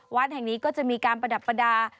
วัดแห่งนี้ก็จะมีการประดับประดาษ